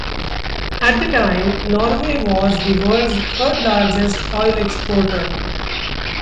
At the time Norway was the world's third largest oil exporter.